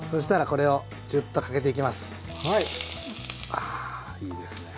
あいいですね。